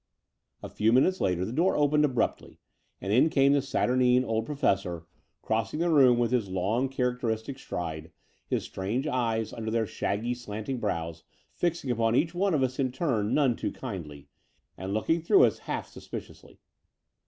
A few minutes later the door opened abruptly, and in came the saturnine old Professor, crossing Between London and Clymping 163 the room with his long characteristic stride, his strange eyes, under their shaggy, slanting brows, fixing upon each one of us in turn none too kindly, and looking through us half suspiciously.